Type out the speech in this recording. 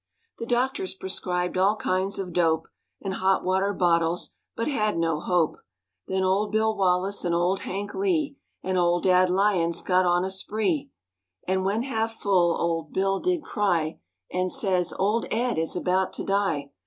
The doctors prescribed all kinds of dope And hotwater bottles, but had no hope. Then old Bill Wallace and old Hank Lee, And old Dad Lyons got on a spree; And when half full old Bill did cry, And says, "Old Ed is about to die.